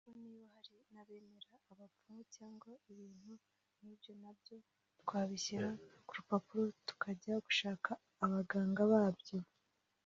Kuko niba hari n’abemera abapfumu cyangwa ibintu nk’ibyo nabyo twabishyira ku rupapuro tukajya gushaka abaganga babyo